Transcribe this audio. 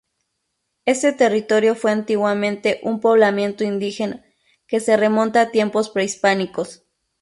Este territorio fue antiguamente un poblamiento indígena, que se remonta a tiempos prehispánicos.